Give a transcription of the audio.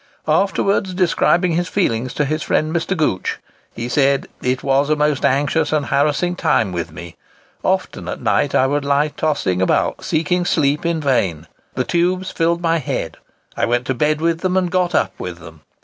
Afterwards describing his feelings to his friend Mr. Gooch, he said: "It was a most anxious and harassing time with me. Often at night I would lie tossing about, seeking sleep in vain. The tubes filled my head. I went to bed with them and got up with them.